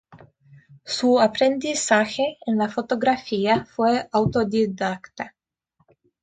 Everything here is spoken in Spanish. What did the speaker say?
Su aprendizaje en la fotografía fue autodidacta.